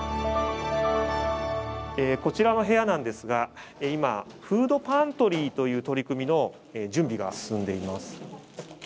こちらの部屋なんですが今、フードパントリーという取り組みの準備が進んでいます。